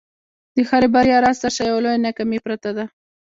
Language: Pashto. د هري بریا راز تر شا یوه لویه ناکامي پرته ده.